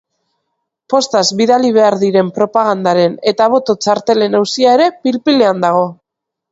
Postaz bidali behar diren propagandaren eta boto-txartelen auzia ere pil-pilean dago.